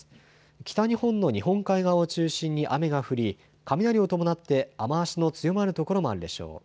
北日本の日本海側を中心に雨が降り雷を伴って雨足の強まる所もあるでしょう。